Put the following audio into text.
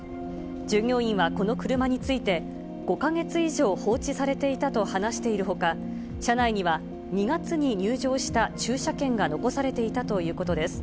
従業員はこの車について、５か月以上放置されていたと話しているほか、車内には２月に入場した駐車券が残されていたということです。